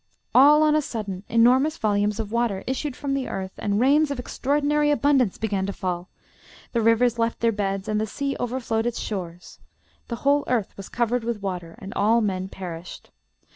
All on a sudden enormous volumes of water issued from the earth, and rains of extraordinary abundance began to fall; the rivers left their beds, and the sea overflowed its shores; the whole earth was covered with water, and all men perished.